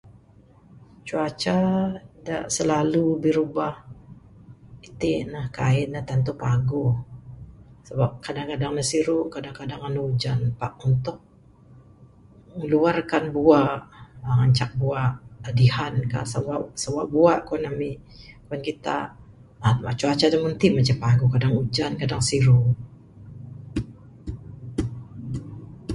Cuaca da silalu birubah itin ne kaik ne tantu paguh. Sebab kadang-kadang ne siru, kadang-kadang anu ujan. Pak untuk ngiluarkan bua, ngancak bua dihan ka, sawa, sawa bua kuan ami. Kuan kita cuaca meng ti garang ce paguh, kadang ujan, kadang siru.